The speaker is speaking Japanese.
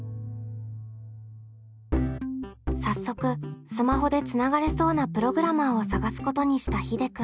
早速スマホでつながれそうなプログラマーを探すことにしたひでくん。